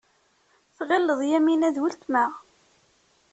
Tɣileḍ Yamina d weltma.